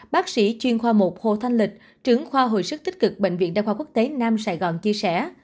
bác sĩ chuyên khoa một hồ thanh lịch trưởng khoa hồi sức tích cực bệnh viện đa khoa quốc tế nam sài gòn chia sẻ